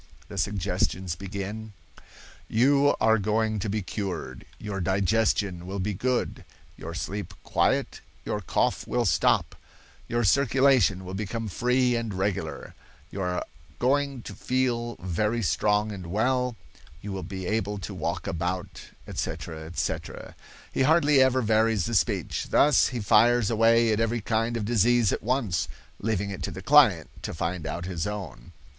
The suggestions begin: "'You are going to be cured; your digestion will be good, your sleep quiet, your cough will stop, your circulation will become free and regular; you are going to feel very strong and well, you will be able to walk about,' etc., etc. He hardly ever varies the speech. Thus he fires away at every kind of disease at once, leaving it to the client to find out his own.